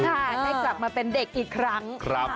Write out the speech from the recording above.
ได้กลับมาเป็นเด็กอีกครั้ง